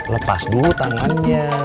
lepas dulu tangannya